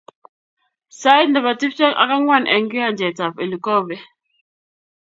sait ne bo tiptem ak ang'wan eng kianchekab Elukove.